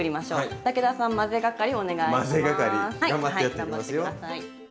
頑張って下さい。